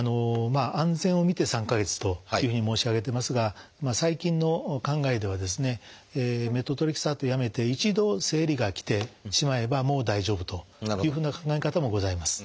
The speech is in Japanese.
安全を見て３か月というふうに申し上げてますが最近の考えではですねメトトレキサートやめて一度生理がきてしまえばもう大丈夫というふうな考え方もございます。